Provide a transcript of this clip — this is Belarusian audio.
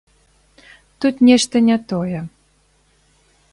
Тут нешта не тое.